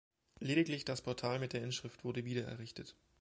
Lediglich das Portal mit der Inschrift wurde wieder errichtet.